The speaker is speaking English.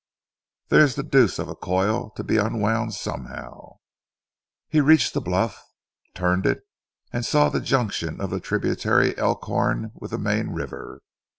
There's the deuce of a coil to be unwound somehow." He reached the bluff, turned it, and saw the junction of the tributary Elkhorn with the main river.